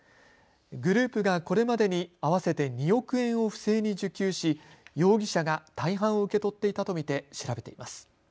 グループがこれまでに合わせて２億円を不正に受給し容疑者が大半を受け取っていたと見て調べています。